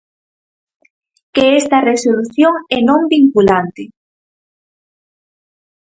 Que esta resolución é non vinculante.